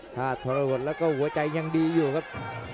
ถ้าทรหดแล้วก็หัวใจยังดีอยู่ครับ